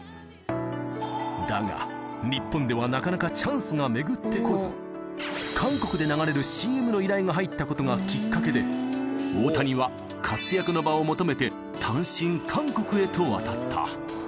だが、日本ではなかなかチャンスが巡ってこず、韓国で流れるＣＭの依頼が入ったことがきっかけで、大谷は活躍の場を求めて、単身、韓国へと渡った。